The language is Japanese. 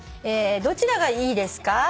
「どちらがいいですか？